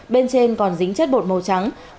bên trên còn dính chất bột màu trắng